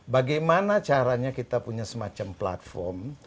bagaimana caranya kita punya semacam platform